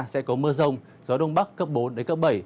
sẽ có mưa rông gió đông bắc cấp bốn đến cấp bảy